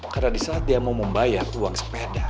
karena disaat dia mau membayar uang sepeda